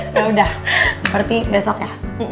ya udah berarti besok ya